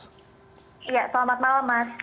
iya selamat malam mas